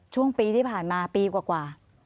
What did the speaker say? ช่วงปีที่ผ่านมาปีกว่า